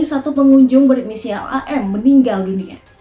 satu pengunjung berinisial am meninggal dunia